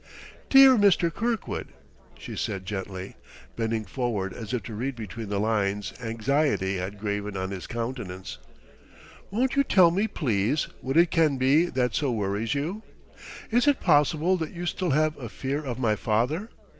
"Dear Mr. Kirkwood," she said gently, bending forward as if to read between the lines anxiety had graven on his countenance, "won't you tell me, please, what it can be that so worries you? Is it possible that you still have a fear of my father?